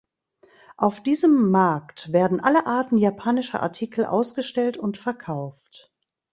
Auf diesem Markt werden alle Arten japanischer Artikel ausgestellt und verkauft.